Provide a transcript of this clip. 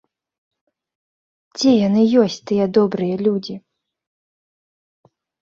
Дзе яны ёсць тыя добрыя людзі?